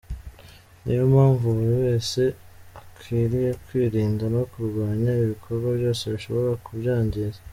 Ni yo mpamvu buri wese akwiriye kwirinda no kurwanya ibikorwa byose bishobora kubyangiza."